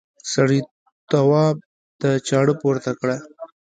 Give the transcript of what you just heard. سړي تواب ته چاړه پورته کړه.